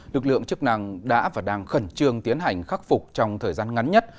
lực lượng chức năng đã và đang khẩn trương tiến hành khắc phục trong thời gian ngắn nhất